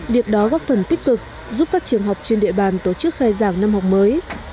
việc đó góp phần tích cực giúp các trường học trên địa bàn tổ chức khai giảng năm học mới